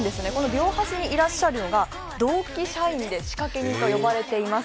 両端にいらっしゃるのが同期社員で仕掛け人と言われています。